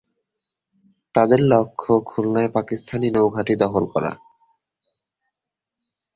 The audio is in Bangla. তাদের লক্ষ্য, খুলনায় পাকিস্তানি নৌঘাঁটি দখল করা।